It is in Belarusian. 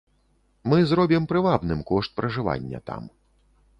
Мы зробім прывабным кошт пражывання там.